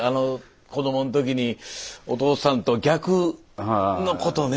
子どもの時にお父さんと逆のことをね。